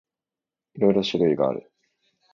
いろいろ種類がある。